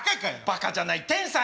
バカじゃない天才！